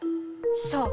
そう！